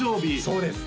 そうです